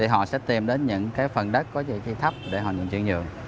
họ sẽ tìm đến những phần đất có trị thấp để nhận chuyển nhượng